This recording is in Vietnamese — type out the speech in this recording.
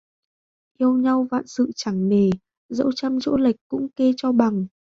Yêu nhau vạn sự chẳng nề, dẫu trăm chỗ lệch cũng kê cho bằng